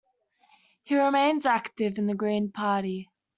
He remains active in the Green Party.